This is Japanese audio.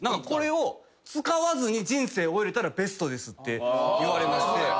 これを使わずに人生終えれたらベストですって言われまして。